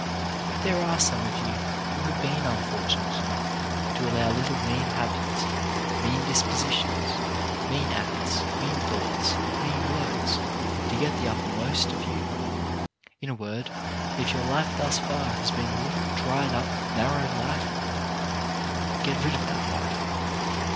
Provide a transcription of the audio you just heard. If there are some of you who have been unfortunate enough to allow little mean habits, mean dispositions, mean acts, mean thoughts, mean words, to get the upper most of you — in a word, if your life thus far has been a little, dried up, narrow life, get rid of that life.